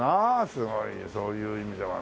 すごいそういう意味ではな。